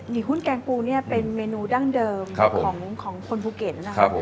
หุ้นแกงปูเนี่ยเป็นเมนูดั้งเดิมของคนภูเก็ตนะครับ